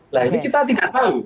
nah ini kita tidak tahu